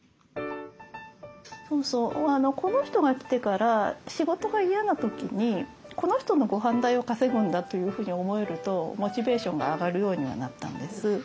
そうそうこの人が来てから仕事が嫌な時にこの人のごはん代を稼ぐんだというふうに思えるとモチベーションが上がるようにはなったんです。